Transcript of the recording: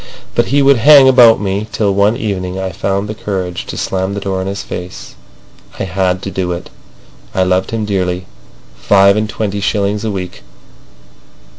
But he would hang about me, till one evening I found the courage to slam the door in his face. I had to do it. I loved him dearly. Five and twenty shillings a week!